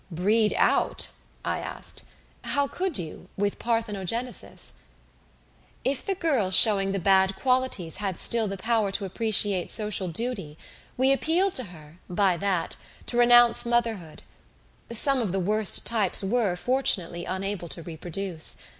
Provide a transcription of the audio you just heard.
"Breed out?" I asked. "How could you with parthenogenesis?" "If the girl showing the bad qualities had still the power to appreciate social duty, we appealed to her, by that, to renounce motherhood. Some of the few worst types were, fortunately, unable to reproduce.